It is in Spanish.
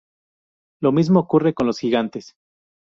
Lo mismo ocurre con los Gigantes.